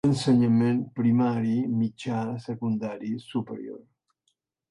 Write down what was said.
Ensenyament primari, mitjà, secundari, superior.